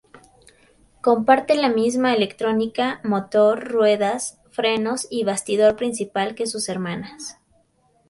Comparte la misma electrónica, motor, ruedas, frenos y bastidor principal que sus hermanas.